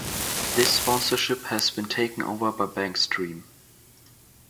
This sponsorship has been taken over by Bankstream.